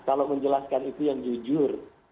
kalau menjelaskan itu yang jujur